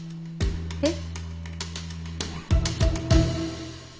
えっ？